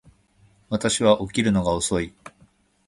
私は起きるのが遅い